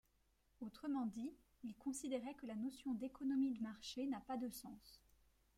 Autrement dit, il considérait que la notion d'économie de marché n'a pas de sens.